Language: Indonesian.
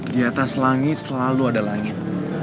di atas langit selalu ada langit